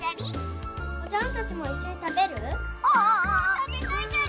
たべたいじゃり！